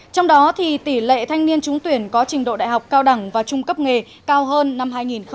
trong đó thì tỷ lệ thanh niên trúng tuyển có trình độ đại học cao đẳng và trung cấp nghề cao hơn năm hai nghìn một mươi tám